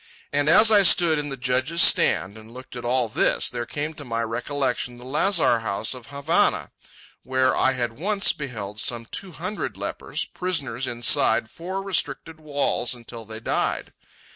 And as I stood in the judge's stand and looked at all this, there came to my recollection the lazar house of Havana, where I had once beheld some two hundred lepers, prisoners inside four restricted walls until they died.